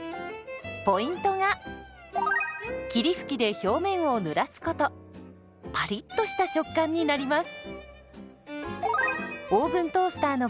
ポイントがパリッとした食感になります。